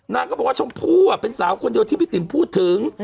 นางก็บอกว่าชมพู่เป็นสาวคนเดียวที่พี่ติ๋มพูดถึง